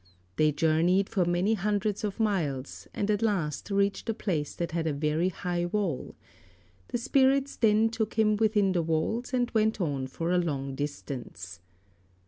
They journeyed for many hundreds of miles, and at last reached a place that had a very high wall. The spirits then took him within the walls and went on for a long distance.